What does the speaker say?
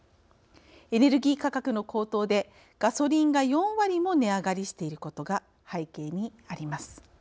エネルギー価格の高騰でガソリンが４割も値上がりしていることが背景にあります。